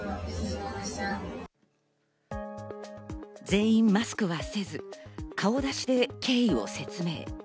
全員マスクはせず、顔出しで経緯を説明。